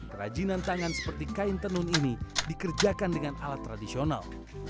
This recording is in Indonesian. kerajinan tangan seperti kain tenun ini dikerjakan dengan alat tradisional